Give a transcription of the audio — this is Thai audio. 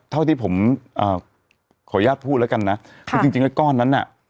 เท่าที่ผมขออนุญาตพูดแล้วกันนะคือจริงจริงแล้วก้อนนั้นน่ะ